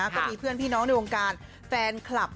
ก็มีเพื่อนพี่น้องในวงการหาการเดียวกอฟท